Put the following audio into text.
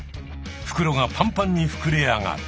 袋がパンパンにふくれ上がる。